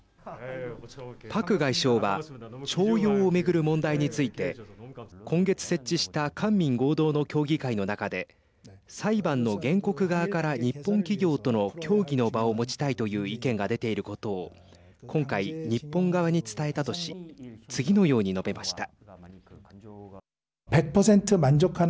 パク外相は徴用を巡る問題について今月、設置した官民合同の協議会の中で裁判の原告側から日本企業との協議の場を持ちたいという意見が出ていることを今回、日本側に伝えたとし次のように述べました。